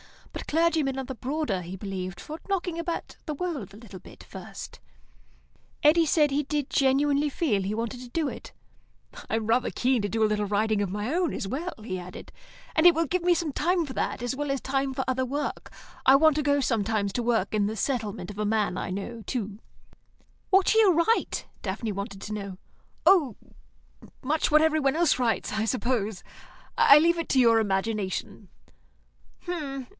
But clergymen are the broader, he believed, for knocking about the world a little first. Eddy said he did genuinely feel he wanted to do it. "I'm rather keen to do a little writing of my own as well," he added, "and it will leave me some time for that, as well as time for other work. I want to go sometimes to work in the settlement of a man I know, too." "What shall you write?" Daphne wanted to know. "Oh, much what every one else writes, I suppose. I leave it to your imagination."